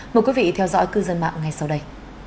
mời quý vị theo dõi cư dân mạng ngay sau đây